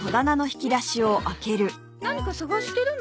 何か探してるの？